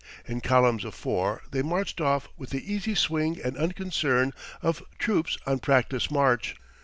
In columns of four they marched off with the easy swing and unconcern of troops on practice march.